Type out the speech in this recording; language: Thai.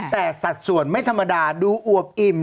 แต่สัดส่วนไม่ธรรมดาดูอวบอิ่ม